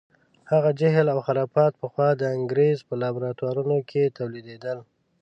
هغه جهل او خرافات پخوا د انګریز په لابراتوارونو کې تولیدېدل.